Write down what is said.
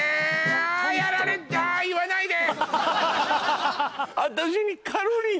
あやられた言わないで！